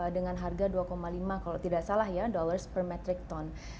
dengan harga dua lima kalau tidak salah ya dollars per metric ton